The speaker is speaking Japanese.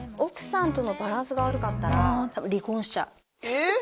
えっ！？